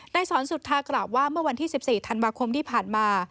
นายสอนสุธากรรมลีก็กลับว่าเมื่อวันที่๑๔ธันวาคมที่ผ่านมา